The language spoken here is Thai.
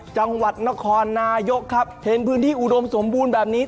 จังหวัดนครนายกครับเห็นพื้นที่อุดมสมบูรณ์แบบนี้